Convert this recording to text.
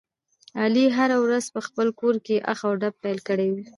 علي هره ورځ په خپل کورکې اخ او ډب پیل کړی وي.